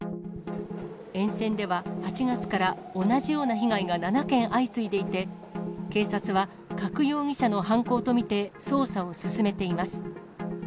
沿線では、８月から同じような被害が７件相次いでいて、警察は、加久容疑者の犯行と見て捜査を進めています。